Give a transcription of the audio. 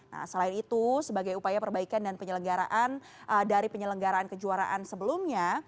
nah selain itu sebagai upaya perbaikan dan penyelenggaraan dari penyelenggaraan kejuaraan sebelumnya